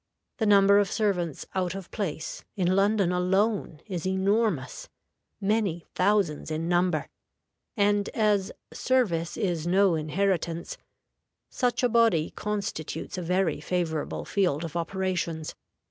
The number of servants out of place, in London alone, is enormous many thousands in number; and as "service is no inheritance," such a body constitutes a very favorable field of operations.